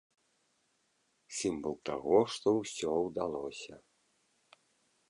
Сімвал таго, што ўсё ўдалося.